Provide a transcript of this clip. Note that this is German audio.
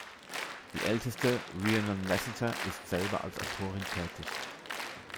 Die älteste, Rhiannon Lassiter, ist selber als Autorin tätig.